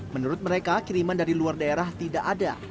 menurut mereka kiriman dari luar daerah tidak ada